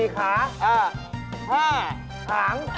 ๔ขา๕หาง๖ตา๗งวง